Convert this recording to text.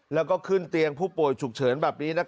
แล้วก็ขึ้นเตียงผู้ป่วยฉุกเฉินแบบนี้